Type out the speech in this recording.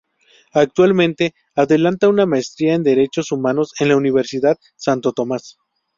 Actualmente adelanta una maestría en Derechos Humanos en la Universidad Santo Tomas.